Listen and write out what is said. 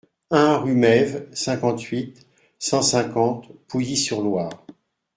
un rue Mesves, cinquante-huit, cent cinquante, Pouilly-sur-Loire